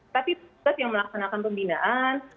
tapi tugas yang melaksanakan pembinaan